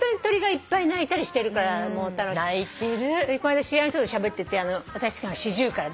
この間知り合いとしゃべってて私好きなのシジュウカラで。